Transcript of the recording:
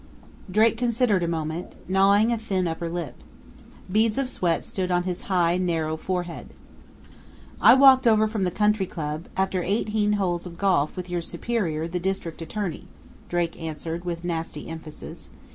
Drake considered a moment, gnawing a thin upper lip. Beads of sweat stood on his high, narrow forehead. "I walked over from the Country Club, after eighteen holes of golf with your superior, the district attorney," Drake answered, with nasty emphasis.